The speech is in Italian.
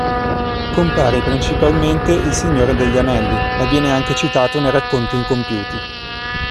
Compare principalmente "Il Signore degli Anelli", ma viene anche citato nei "Racconti incompiuti".